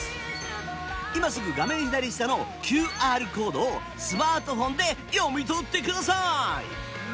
今すぐ画面左下のＱＲコードをスマートフォンで読み取ってください。